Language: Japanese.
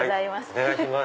お願いします。